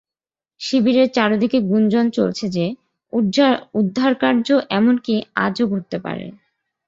শিবিরের চারদিকে গুঞ্জন চলছে যে উদ্ধারকার্য এমনকি আজও ঘটতে পারে।